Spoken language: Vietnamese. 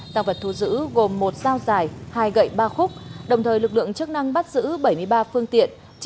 tăng vật thu giữ gồm một dao dài hai gậy ba khúc đồng thời lực lượng chức năng bắt giữ bảy mươi ba phương tiện